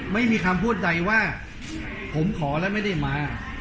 ไม่มีคำพูดใดว่าผมขอแล้วไม่ได้มา